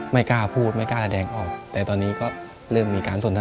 ในแคมเปญพิเศษเกมต่อชีวิตโรงเรียนของหนู